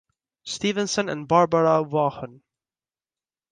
Stevenson and Barbara Vaughan.